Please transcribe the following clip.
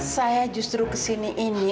saya justru kesini ini